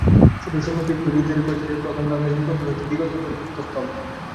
শূন্য তীর ধুধু করিতেছে, প্রকাণ্ড আকাশ দিগন্ত হইতে দিগন্ত পর্যন্ত স্তব্ধ।